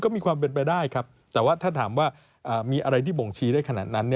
มีอะไรที่บ่งชีได้ขนาดนั้น